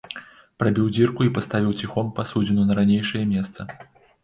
Прабіў дзірку і паставіў ціхом пасудзіну на ранейшае месца.